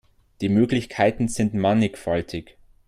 Die Möglichkeiten sind mannigfaltig.